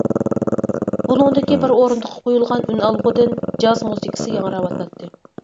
بۇلۇڭدىكى بىر ئورۇندۇققا قويۇلغان ئۈنئالغۇدىن جاز مۇزىكىسى ياڭراۋاتاتتى.